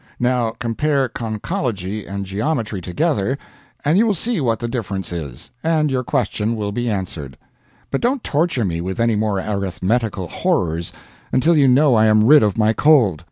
Now compare conchology and geometry together, and you will see what the difference is, and your question will be answered. But don't torture me with any more arithmetical horrors until you know I am rid of my cold.